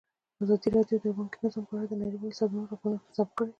ازادي راډیو د بانکي نظام په اړه د نړیوالو سازمانونو راپورونه اقتباس کړي.